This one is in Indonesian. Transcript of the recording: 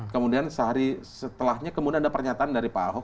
kemudian sehari setelahnya kemudian ada pernyataan dari pak ahok